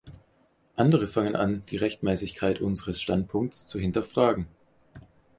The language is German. Andere fangen an, die Rechtmäßigkeit unseres Standpunkts zu hinterfragen.